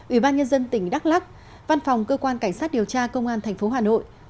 ủy ban nhân dân tỉnh đắk lắc văn phòng cơ quan cảnh sát điều tra công an tp hà nội